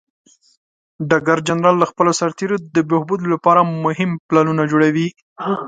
ډګر جنرال د خپلو سرتیرو د بهبود لپاره مهم پلانونه جوړوي.